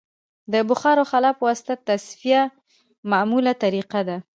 د بخار او خلا په واسطه تصفیه معموله طریقه ده